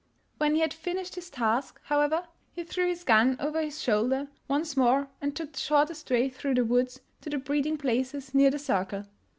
When he had finished his task, however, he threw his gun over his shoulder once more and took the shortest way through the woods to the breeding places near the circle.